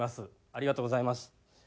ありがとうございます。